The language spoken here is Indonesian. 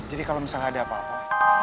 jadi kalo misalnya ada apa apa